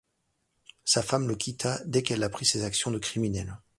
Sa femme le quitta dès qu'elle apprit ses actions de criminels.